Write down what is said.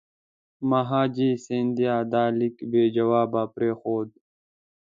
مهاجي سیندیا دا لیک بې جوابه پرېښود.